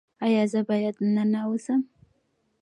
ایا زه باید ننوځم؟